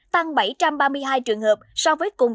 tăng bảy trăm ba mươi hai trường hợp so với cùng kỳ